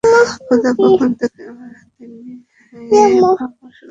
খোদা কখন থেকে আমাদের নিয়ে ভাবা শুরু করল?